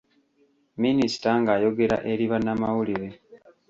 Minisita ng’ayogera eri bannamawulire.